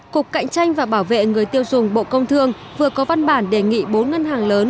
cục cạnh tranh và bảo vệ người tiêu dùng bộ công thương vừa có văn bản đề nghị bốn ngân hàng lớn